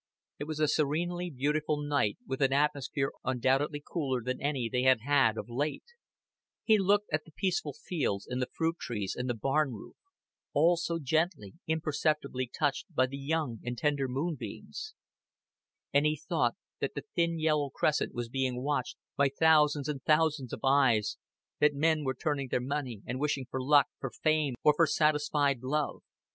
It was a serenely beautiful nights with an atmosphere undoubtedly cooler than any they had had of late; he looked at the peaceful fields, and the fruit trees and the barn roof, all so gently, imperceptibly touched by the young and tender moonbeams; and he thought that the thin yellow crescent was being watched by thousands and thousands of eyes, that men were turning their money, and wishing for luck, for fame, or for satisfied love.